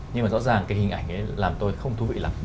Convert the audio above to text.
nhưng mà rõ ràng cái hình ảnh ấy làm tôi không thú vị lắm